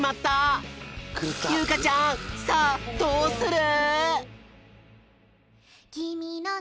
ゆうかちゃんさあどうする！？